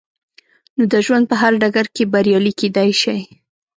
نو د ژوند په هر ډګر کې بريالي کېدای شئ.